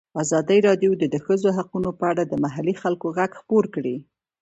ازادي راډیو د د ښځو حقونه په اړه د محلي خلکو غږ خپور کړی.